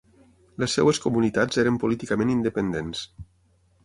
Les seves comunitats eren políticament independents.